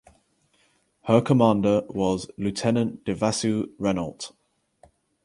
Her commander was "Lieutenant de vaisseau" Renault.